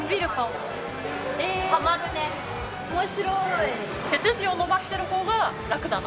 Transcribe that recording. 面白い。